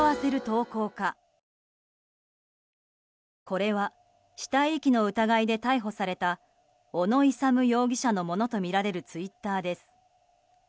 これは死体遺棄の疑いで逮捕された小野勇容疑者のものとみられるツイッターです。